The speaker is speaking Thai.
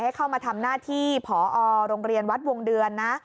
ให้เข้ามาทำหน้าที่ผอโรงเรียนวัดวงเดือนนะ